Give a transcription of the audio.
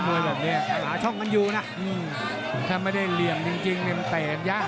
มวยแบบเนี้ยหาช่องมันอยู่นะอืมถ้าไม่ได้เหลี่ยมจริงจริงเนี่ยมันเตะอย่างยาก